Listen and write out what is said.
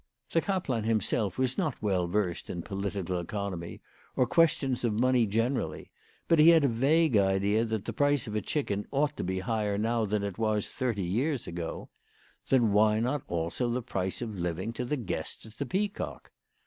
The kaplan himself was not well versed in 58 WHY FRAU FROHMANN RAISED HER PRICES. political economy or questions of money generally ; but lie had a vague idea that the price of a chicken ought to be higher now than it was thirty years ago. Then why not also the price of living to the guests at the Peacock